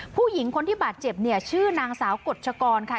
ผู้หญิงคนที่บาดเจ็บเนี่ยชื่อนางสาวกฎชกรค่ะ